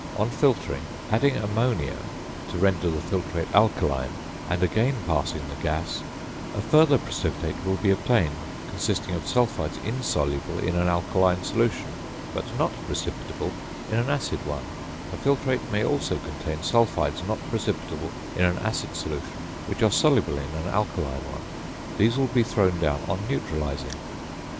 On filtering, adding ammonia (to render the filtrate alkaline), and again passing the gas, a further precipitate will be obtained, consisting of sulphides insoluble in an alkaline solution, but not precipitable in an acid one; the filtrate may also contain sulphides not precipitable in an acid solution, which are soluble in an alkaline one; these will be thrown down on neutralising.